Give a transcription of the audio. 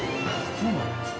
そうなんですか？